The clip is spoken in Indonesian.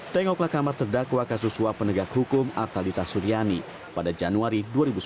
tengoklah kamar terdakwa kasus suap penegak hukum artalita suriani pada januari dua ribu sepuluh